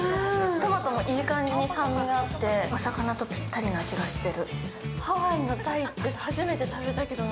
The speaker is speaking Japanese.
トマトもいい感じに酸味があって、お魚とぴったりの味がしてる。